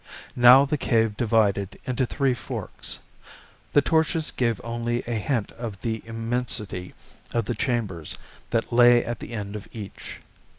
Now the cave divided into three forks. The torches gave only a hint of the immensity of the chambers that lay at the end of each.